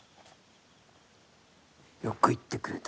よく言ってくれた。